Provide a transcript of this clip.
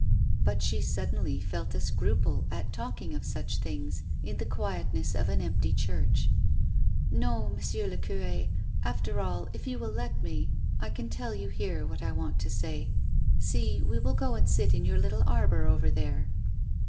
But she suddenly felt a scruple at talking of such things in the quietness of an empty church. " No, Monsieur le cur6 — after all — if you will let me — I can tell you here what I want to say. See, we will go and sit in your little arbour over there."